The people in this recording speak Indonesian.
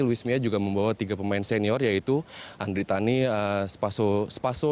louis mia juga membawa tiga pemain senior yaitu andri tani spaso